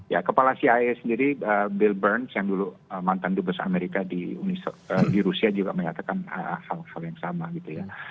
ya kepala cia sendiri billbourne yang dulu mantan dubes amerika di rusia juga menyatakan hal hal yang sama gitu ya